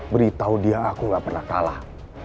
beritahu dia aku gak pernah kalah